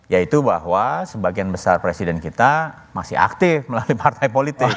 yaitu bahwa sebagian besar presiden kita masih aktif melalui partai politik